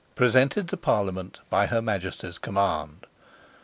(Presented to Parliament by Her Majesty's Command.)